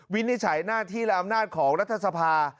วินิจฉัยหน้าที่และอำนาจของรัฐสภา